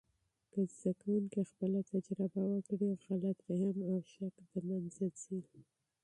که زده کوونکي خپله تجربه وکړي، غلط فهم او شک د منځه ځي.